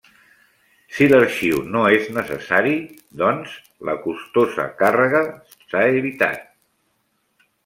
Si l'arxiu no és necessari, doncs, la costosa càrrega s'ha evitat.